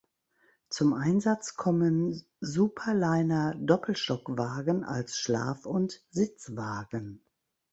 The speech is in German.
Zum Einsatz kommen Superliner-Doppelstockwagen als Schlaf- und Sitzwagen.